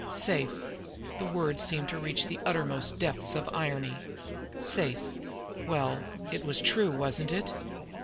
Safe! The word seemed to reach the uttermost depths of irony. Safe! Well, it was true, wasn't it?